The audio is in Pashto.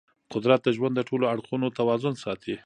قدرت د ژوند د ټولو اړخونو توازن ساتي.